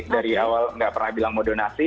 dari awal nggak pernah bilang mau donasi